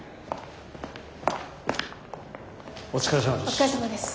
お疲れさまです。